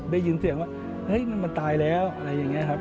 ได้ยินเสียงว่าเฮ้ยมันตายแล้วอะไรอย่างนี้ครับ